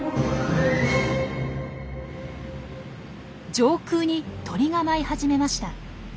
上空に鳥が舞い始めました。